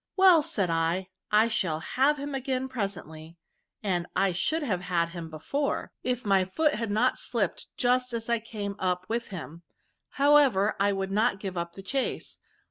Well, said I, I shall have him again presently, and I shovid have had him before, if my foot BB ^ 280 VERBS. had not slipped just as I came up with him* However, I would not give up the chase.